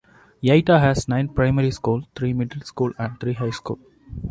Yaita has nine primary schools, three middle schools and three high schools.